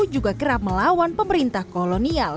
juga kerap melawan pemerintah kolonial